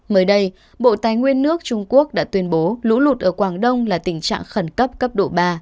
mới đây bộ tài nguyên nước trung quốc đã tuyên bố lũ lụt ở quảng đông là tình trạng khẩn cấp cấp độ ba